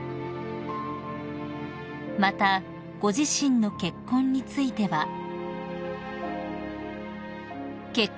［またご自身の結婚については］